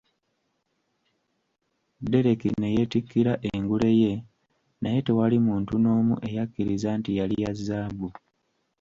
Dereki ne yeetikkira engule ye, naye tewali muntu n'omu eyakkiriza nti yali ya zaabu.